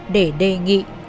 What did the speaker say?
để đề nghị